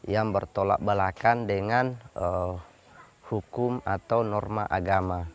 yang bertolak belakang dengan hukum atau norma agama